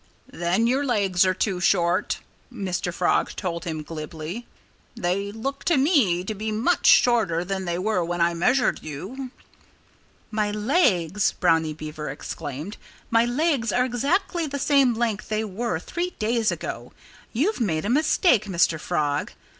"Then your legs are too short," Mr. Frog told him glibly. "They look to me to be much shorter than they were when I measured you." "My legs " Brownie Beaver exclaimed "my legs are exactly the same length they were three days ago! You've made a mistake, Mr. Frog.